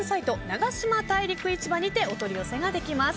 長島大陸市場にてお取り寄せができます。